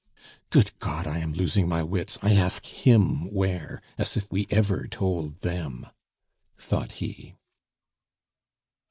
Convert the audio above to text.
"Good God, I am losing my wits! I ask him where as if we ever told them " thought he.